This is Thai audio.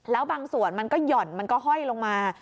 แล้วบางส่วนมันก็ห่อนมันก็ห้อยลงมา